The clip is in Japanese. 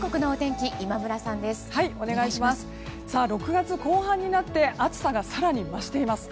６月後半になって暑さが更に増しています。